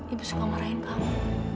ibu suka marahin kamu